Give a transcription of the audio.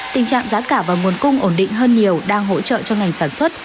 tình trạng giá cả và nguồn cung ổn định hơn nhiều đang hỗ trợ cho ngành sản xuất